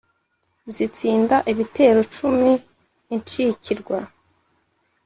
zitsinda ibitero cumi incikirwa